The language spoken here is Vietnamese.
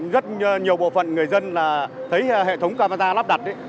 rất nhiều bộ phận người dân là thấy hệ thống camera lắp đặt